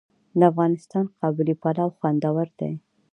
د افغانستان قابلي پلاو خوندور دی